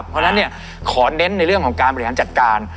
เพราะฉะนั้นเนี่ยขอเน้นในเรื่องของการบริหารจัดการ